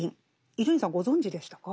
伊集院さんご存じでしたか？